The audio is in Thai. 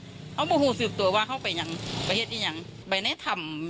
ออกมาหุ่นศูนย์ตัวไว้เข้าไปยังไปที่ยังไปในถ่ำ